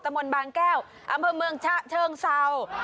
มนต์บางแก้วอำเภอเมืองชะเชิงเศร้า